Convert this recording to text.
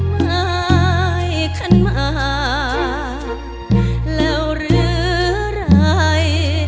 ไม้คันมาแล้วหรือไร